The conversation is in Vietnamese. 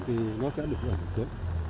thì nó sẽ được giữ